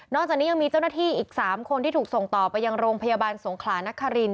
จากนี้ยังมีเจ้าหน้าที่อีก๓คนที่ถูกส่งต่อไปยังโรงพยาบาลสงขลานคริน